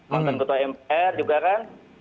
mantan ketua mpr juga kan